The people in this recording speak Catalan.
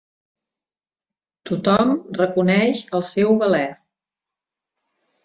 Tothom reconeix el seu valer.